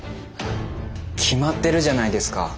決まってるじゃないですか。